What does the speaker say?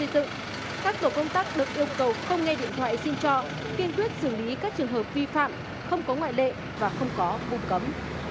kiên quyết xử lý các trường hợp vi phạm không có ngoại lệ và không có buôn cấm